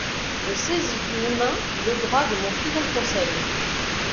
Je saisis d’une main le bras de mon fidèle Conseil.